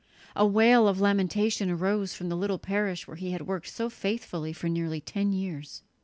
A wail of lamentation arose from the little parish where he had worked so faithfully for nearly ten years.